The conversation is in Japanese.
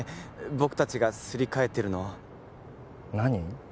僕達がすり替えてるの何？